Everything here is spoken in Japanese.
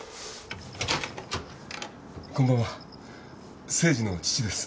こんばんは誠治の父です